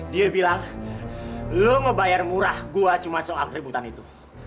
dia bilang lo ngebayar murah gue cuma sok akributan itu